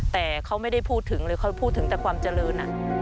แต่เขาไม่ได้พูดถึงเลยเขาพูดถึงแต่ความเจริญ